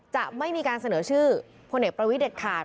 จะไม่มีการเสนอชื่อพลเอกประวิทเด็ดขาด